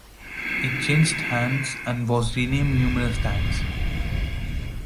It changed hands and was renamed numerous times.